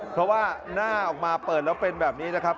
เพราะว่าหน้าออกมาเปิดแล้วเป็นแบบนี้นะครับ